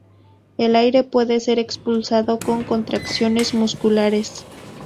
El aire puede ser expulsado con contracciones musculares.